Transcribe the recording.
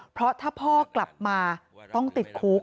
เพราะถ้าพ่อกลับมาต้องติดคุก